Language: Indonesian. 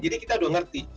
jadi kita udah ngerti